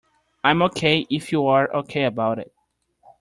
I'm OK if you're OK about it.